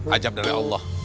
azab dari allah